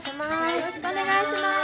よろしくお願いします。